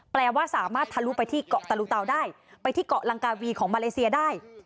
แปลว่าสามารถทะลุไปที่เกาะตะลุเตาได้ไปที่เกาะลังกาวีของมาเลเซียได้